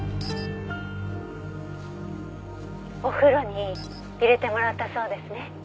「お風呂に入れてもらったそうですね」